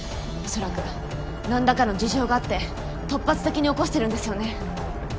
恐らく何らかの事情があって突発的に起こしてるんですよね。